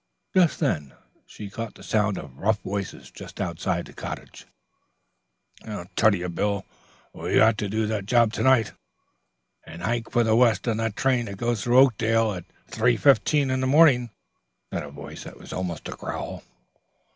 Just then she caught the sound of rough voices just outside the cottage. "I tell ye, Bill, we've got to do the job to night and hike for the West on that train that goes through Oakdale at 3.15 in the morning," said a voice that was almost a growl.